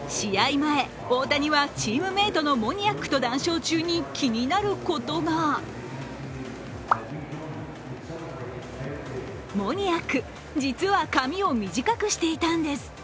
前、大谷はチームメートのモニアックと談笑中に気になることがモニアック、実は髪を短くしていたんです。